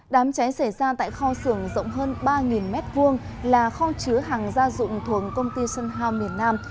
đám cháy xảy ra tại kho sưởng rộng hơn ba m hai là kho chứa hàng gia dụng thuồng công ty sơn hào miền nam